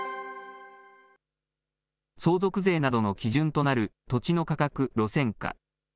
相続税などの基準となる土地の価格、路線価。